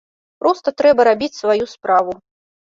Проста трэба рабіць сваю справу.